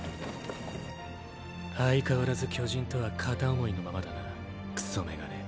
相変わらず巨人とは片想いのままだなクソメガネ。